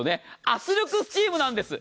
圧力スチームなんです。